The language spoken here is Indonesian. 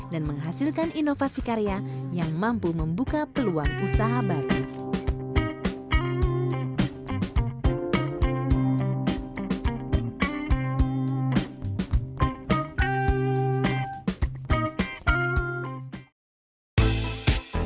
dan menghasilkan inovasi karya yang mampu membuka peluang usaha baru